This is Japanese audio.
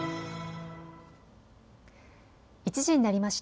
１時になりました。